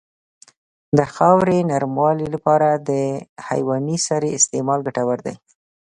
د خاورې نرموالې لپاره د حیواني سرې استعمال ګټور دی.